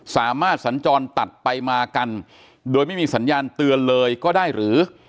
สัญจรตัดไปมากันโดยไม่มีสัญญาณเตือนเลยก็ได้หรือ